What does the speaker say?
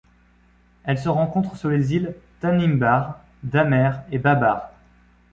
Elle se rencontre sur les îles Tanimbar, Damer et Babar.